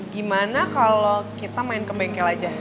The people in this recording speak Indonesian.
gimana kalau kita main ke bengkel aja